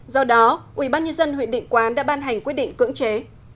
do đó ubnd huyện định quán đã ban hành quyết định cưỡng chế